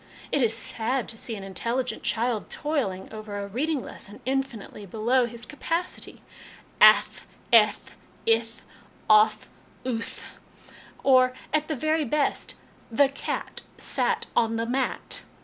It is sad to see an in telligent child toiling over a reading lesson infinitely below his capacity ath, eth, ith, oth, uth or, at the very best, 'The cat sat on the mat.'